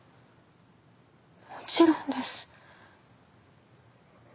もちろんです。